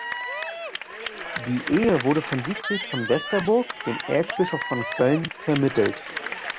Die Ehe wurde von Siegfried von Westerburg, dem Erzbischof von Köln, vermittelt.